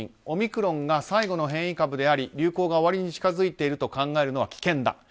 オミクロンが最後の変異株であり流行が終わりに近づいていると考えるのは危険だ。